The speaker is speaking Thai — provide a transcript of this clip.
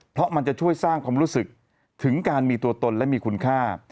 เพราะมันจะช่วยสร้างความรู้สึกถึงการมีตัวตนและมีคุณค่า